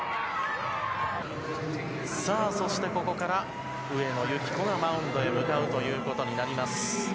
さあそして、ここから上野由岐子がマウンドへ向かうということになります。